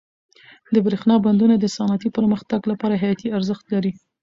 د برښنا بندونه د صنعتي پرمختګ لپاره حیاتي ارزښت لري.